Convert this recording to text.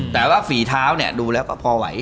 แต่ว่าฝีเท้าดูแล้วก็พอไหว